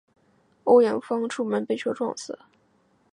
这是艾青首次同毛泽东面谈。